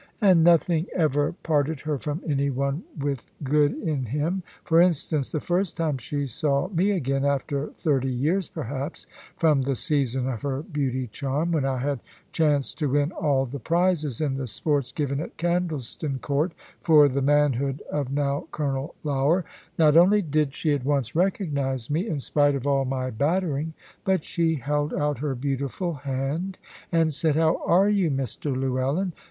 And nothing ever parted her from any one with good in him. For instance, the first time she saw me again (after thirty years, perhaps, from the season of her beauty charm, when I had chanced to win all the prizes in the sports given at Candleston Court, for the manhood of now Colonel Lougher), not only did she at once recognise me, in spite of all my battering, but she held out her beautiful hand, and said, "How are you, Mr Llewellyn?"